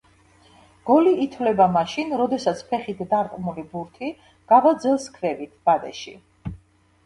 გოლი ითვლება მაშინ, როდესაც ფეხით დარტყმული ბურთი გავა ძელს ქვევით, ბადეში.